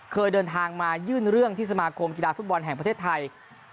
เคยเดินทางมายื่นเรื่องที่สมาคมกีฬาฟุตบอลแห่งประเทศไทย